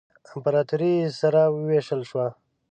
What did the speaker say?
امپراطوري یې سره ووېشل شوه.